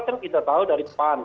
yang kita tahu dari depan